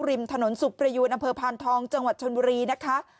ริมถนนสุขประยูนอำเภอพานทองจังหวัดชนบุรีนะคะ